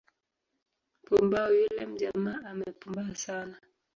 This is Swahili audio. "Pumbao, yule mjamaa amepumbaa sana"